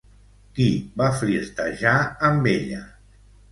Qui va flirtejar amb ella?